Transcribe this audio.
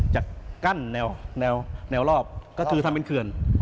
จะกั้นแนวรอบก็คือทำเป็นเขื่อน